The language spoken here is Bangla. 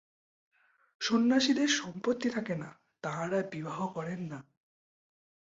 সন্ন্যাসীদের সম্পত্তি থাকে না, তাঁহারা বিবাহ করেন না।